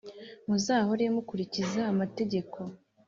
Muzahore mukurikiza amategeko.